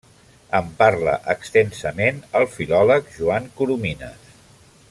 En parla extensament el filòleg Joan Coromines.